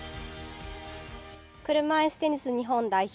車いすテニス日本代表